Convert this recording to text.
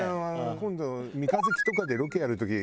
今度三日月とかでロケやる時出るわよ